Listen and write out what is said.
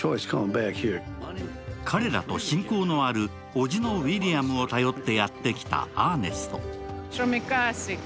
彼らと親交のあるおじのウィリアムを頼ってやってきたアーネスト。